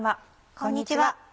こんにちは。